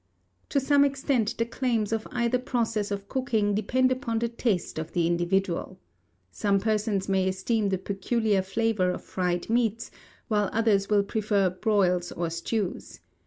To some extent the claims of either process of cooking depend upon the taste of the individual. Some persons may esteem the peculiar flavour of fried meats, while others will prefer broils or stews.